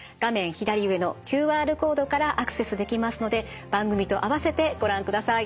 左上のＱＲコードからアクセスできますので番組と併せてご覧ください。